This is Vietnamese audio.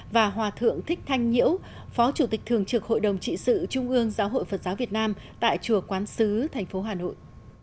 và hòa thượng thích thanh nhiễu phó chủ tịch thường trực hội đồng trị sự trung ương giáo hội phật giáo việt nam tại chùa quán sứ thành phố hà nội